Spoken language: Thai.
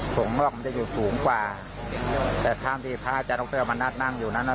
ตรงนอกมันจะอยู่สูงกว่าแต่ถ้ามที่พระอาจารย์โรคเตอร์มันนัดนั่งอยู่นั่นน่ะ